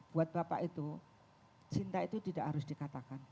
buat bapak itu cinta itu tidak harus dikatakan